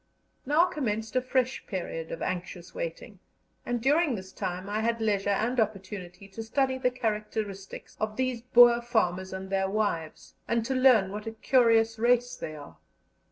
Now commenced a fresh period of anxious waiting, and during this time I had leisure and opportunity to study the characteristics of these Boer farmers and their wives, and to learn what a curious race they are.